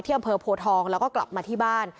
อำเภอโพทองแล้วก็กลับมาที่บ้าน